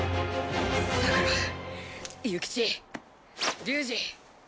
さくら諭吉龍二。